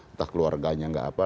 entah keluarganya nggak apa